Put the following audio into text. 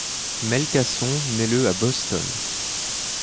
Mel Casson naît le à Boston.